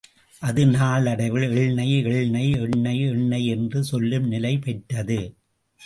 அது நாளடைவில், எள்நெய் எள்நெய் எண்ணெய் எண்ணெய் என்று சொல்லும் நிலை பெற்றது.